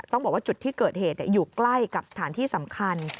บอกว่าจุดที่เกิดเหตุอยู่ใกล้กับสถานที่สำคัญ